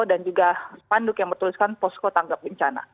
dan juga panduk yang bertuliskan posko tanggap bencana